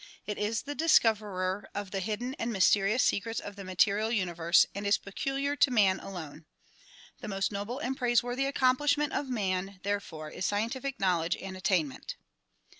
It is the discoverer of the hidden and mysterious secrets of the material universe and is peculiar to man alone. The most noble and praiseworthy accomplishment of man therefore is scientific knowledge and attainment.